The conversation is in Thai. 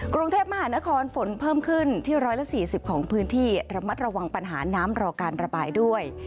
กรุงเทพมหานครฝนเพิ่มขึ้นที่๑๔๐ของพื้นที่ระมัดระวังปัญหาน้ำรอการระบายด้วย